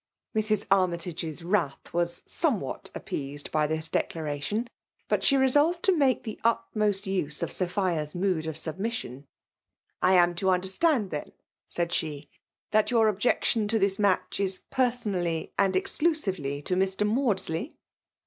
Mrs. Armytage's wrath was somewhat ap peased by this declaration ; but she resolved to make the utmost use of Sophia*s mood of submission* *' I »n to imderstand, then/' said she, '* that your objection to this match is per sonally and exclusively to Mr. Maudsley.